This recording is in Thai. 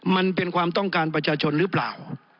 มันเป็นความต้องการประชาชนหรือเปล่า